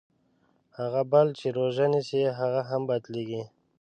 هغه بل چې روژه نیسي هغه هم باطلېږي.